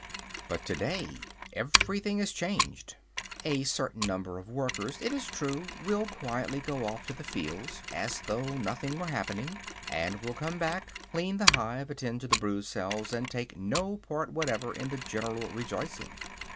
But to day everything is changed. A certain number of workers, it is true, will quietly go off to the fields, as though nothing were happening, and will come back, clean the hive, attend to the brood cells, and take no part whatever in the general rejoicing.